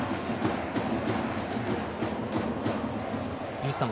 井口さん